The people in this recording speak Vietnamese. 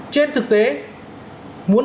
trên thực tế muốn